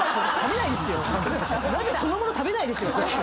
鍋そのもの食べないですよ。